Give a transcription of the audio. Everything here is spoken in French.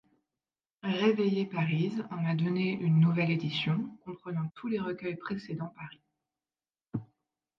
Réveillé-Parise en a donné une nouvelle édition, comprenant tous les recueils précédents Paris.